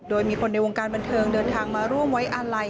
โดยมีคนในวงการบันเทิงเดินทางมาร่วมไว้อาลัย